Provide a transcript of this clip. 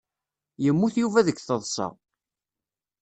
Yemmut Yuba deg taḍsa.